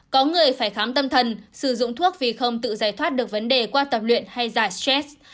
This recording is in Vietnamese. có người phải khám tâm thần sử dụng thuốc vì không tự giải thoát được vấn đề qua tập luyện hay giả stress